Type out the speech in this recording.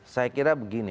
saya kira begini